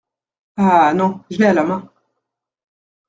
Ah ! non ! je l’ai à la main !…